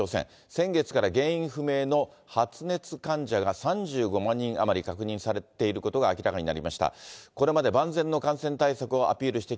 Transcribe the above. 先月から原因不明の発熱患者が３５万人余り確認されていることがこんにちは。